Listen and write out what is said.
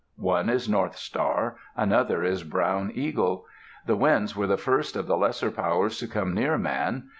One is North Star; another is Brown Eagle. The Winds were the first of the lesser powers to come near man.